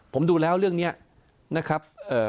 ผมดูแล้วเรื่องนี้นะครับ